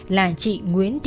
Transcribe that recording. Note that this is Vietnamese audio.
là chị nguyễn tân